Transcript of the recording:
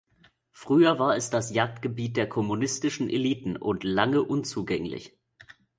Früher war es das Jagdgebiet der kommunistischen Eliten und lange unzugänglich.